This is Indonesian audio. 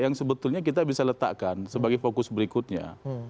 yang sebetulnya kita bisa letakkan sebagai fokus berikutnya